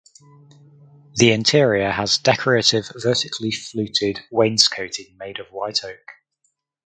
The interior has decorative vertically fluted wainscoting made of white oak.